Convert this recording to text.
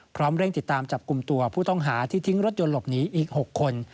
เร่งติดตามจับกลุ่มตัวผู้ต้องหาที่ทิ้งรถยนต์หลบหนีอีก๖คน